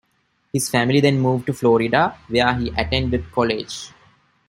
His family then moved to Florida, where he attended college.